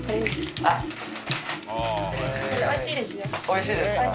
おいしいですか？